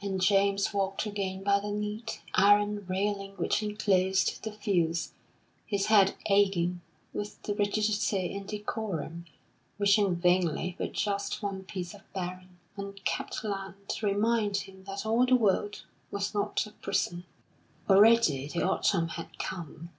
And James walked again by the neat, iron railing which enclosed the fields, his head aching with the rigidity and decorum, wishing vainly for just one piece of barren, unkept land to remind him that all the world was not a prison. Already the autumn had come.